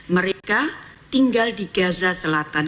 mereka tinggal di gaza selatan